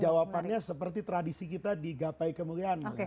jawabannya seperti tradisi kita di gapai kemuliaan